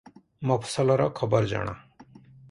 ମଫସଲର ଖବର ଜଣା ।